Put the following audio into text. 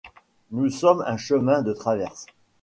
Nous sommes un chemin de traverse.